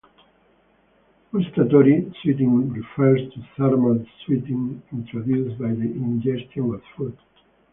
Gustatory sweating refers to thermal sweating induced by the ingestion of food.